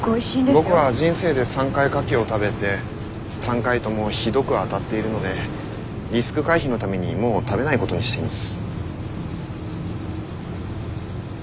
僕は人生で３回カキを食べて３回ともひどくあたっているのでリスク回避のためにもう食べないことにしています。